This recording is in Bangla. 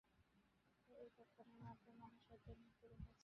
এই উপাখ্যানের মধ্যে মহা সত্য নিহিত রহিয়াছে।